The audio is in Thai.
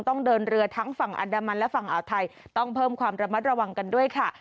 ต้องเดินเรือทั้งฝั่งอันดามันและฝั่งอ่าวไทยต้องเพิ่มความระมัดระวังกันด้วยค่ะ